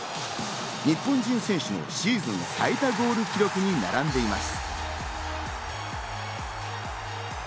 日本人選手のシーズン最多ゴールに並んでいます。